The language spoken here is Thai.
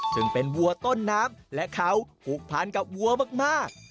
ซึ่งเป็นวัวต้นน้ำและเขาผูกพันกับวัวมาก